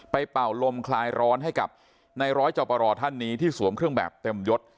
เป่าลมคลายร้อนให้กับในร้อยจอปรท่านนี้ที่สวมเครื่องแบบเต็มยศ